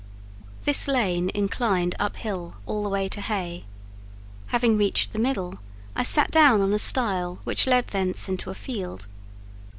This lane inclined up hill all the way to Hay; having reached the middle, I sat down on a stile which led thence into a field.